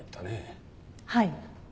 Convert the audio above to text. はい。